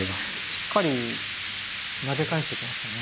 しっかり投げ返してきましたね。